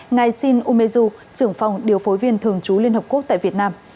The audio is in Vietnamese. ngài shin umezu trưởng phòng điều phối viên thường trú liên hợp quốc tại việt nam